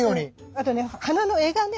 あとね花の柄がね